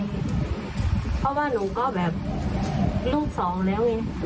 เพราะว่าหนูก็แบบลูกสองแล้วไง